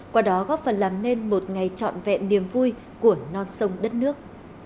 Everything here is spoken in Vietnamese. qua đó góp phần làm nên một ngày trọn vẹn niềm vui của non sông đất nước